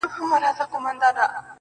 ستا ټولي كيسې لوستې.